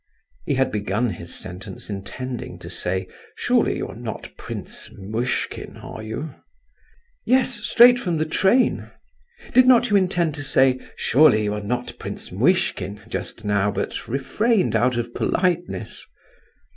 He had begun his sentence intending to say, "Surely you are not Prince Muishkin, are you?" "Yes, straight from the train! Did not you intend to say, 'Surely you are not Prince Muishkin?' just now, but refrained out of politeness?"